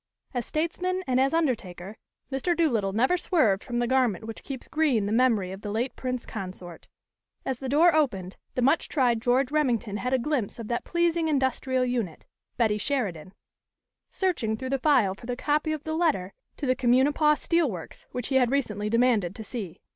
As statesman and as undertaker, Mr. Doolittle never swerved from the garment which keeps green the memory of the late Prince Consort. As the door opened, the much tried George Remington had a glimpse of that pleasing industrial unit, Betty Sheridan, searching through the file for the copy of the letter to the Cummunipaw Steel Works, which he had recently demanded to see.